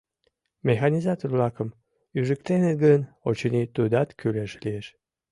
Механизатор-влакым ӱжыктеныт гын, очыни, тудат кӱлеш лиеш.